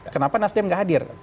kenapa nasdem gak hadir